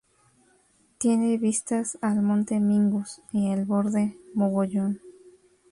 Tiene vistas al Monte Mingus y el Borde Mogollón.